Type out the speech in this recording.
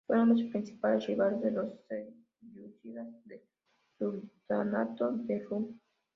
Fueron los principales rivales de los selyúcidas del Sultanato de Rüm.